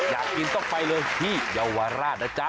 อยากกินต้องไปเลยที่เยาวราชนะจ๊ะ